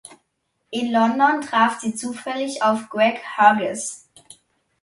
In London traf sie zufällig auf Greg Hughes.